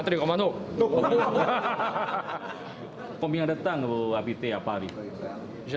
tidak saya tidak bisa